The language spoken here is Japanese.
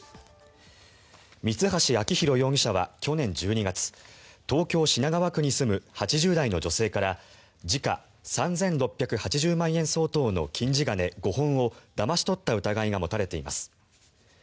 三橋章弘容疑者は去年１２月東京・品川区に住む８０代の女性から時価３６８０万円相当の金地金５本をだまし取った疑いが持たれています。